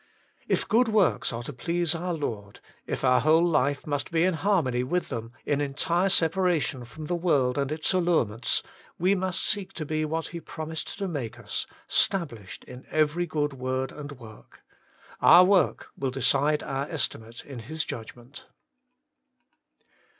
If good works are to please our Lord, if our whole life must be in harmony with them, in entire separation from the world and its allurements, we must seek to be what He promised to make us, stablished in every good word and work. Our work will de cide our estimate in His judgment.